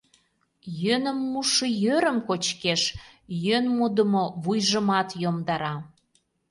Йӧным мушо йӧрым кочкеш, йӧн мудымо вуйжымат йомдара.